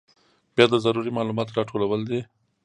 بیا د ضروري معلوماتو راټولول دي.